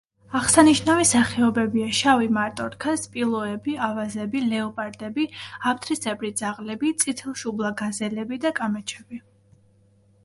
აღსანიშნავი სახეობებია: შავი მარტორქა, სპილოები, ავაზები, ლეოპარდები, აფთრისებრი ძაღლები, წითელშუბლა გაზელები და კამეჩები.